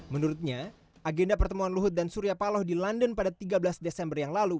menurutnya agenda pertemuan luhut dan surya paloh di london pada tiga belas desember yang lalu